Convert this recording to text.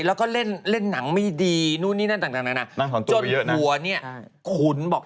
แล้วก็เล่นหนังไม่ดีนู่นนี่นั่นต่างนาน่ะ